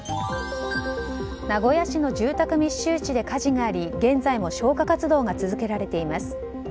名古屋市の住宅密集地で火事があり現在も消火活動が続けられています。